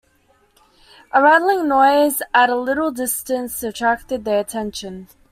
A rattling noise at a little distance attracted their attention.